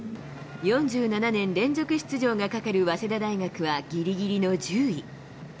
４７年連続出場がかかる早稲田大学はぎりぎりの１０位。